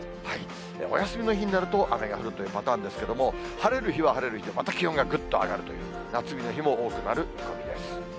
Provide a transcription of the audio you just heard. お休みの日になると雨が降るというパターンですけれども、晴れる日は晴れる日で、また気温がぐっと上がるという、夏日の日も多くなる見込みです。